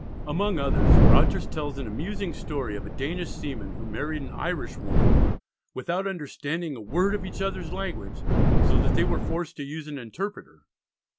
Among others, Rogers tells an amusing story of a Danish seaman who married an Irish woman, "without understanding a word of each other's language, so that they were forced to use an interpreter."